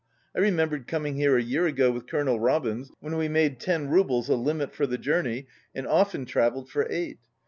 I remembered coming here a year ago with Colonel Robins, when we made ten roubles a limit for the journey and often travelled for eight.